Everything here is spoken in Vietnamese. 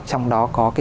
trong đó có cái